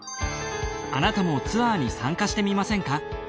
あなたもツアーに参加してみませんか？